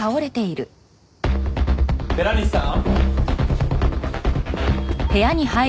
寺西さん？